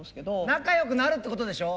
仲良くなるってことでしょ？